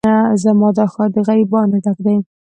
زما دا ښار د غريبانو ډک دی